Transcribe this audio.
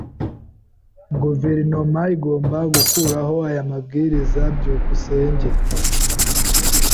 Guverinoma igomba gukuraho aya mabwiriza. byukusenge